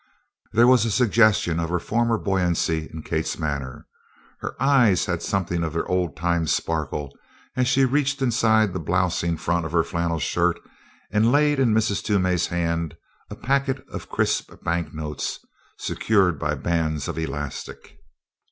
There was a suggestion of her former buoyancy in Kate's manner. Her eyes had something of their old time sparkle as she reached inside the blousing front of her flannel shirt and laid in Mrs. Toomey's hand a packet of crisp banknotes secured by bands of elastic.